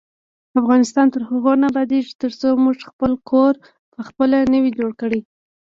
افغانستان تر هغو نه ابادیږي، ترڅو موږ خپل کور پخپله نه وي جوړ کړی.